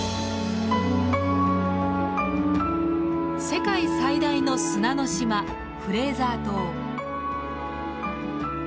世界最大の砂の島フレーザー島。